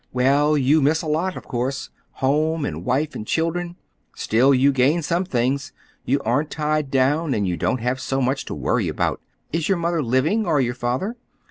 Well, you miss a lot, of course,—home and wife and children. Still, you gain some things. You aren't tied down, and you don't have so much to worry about. Is your mother living, or your father?"